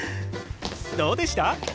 どうでした？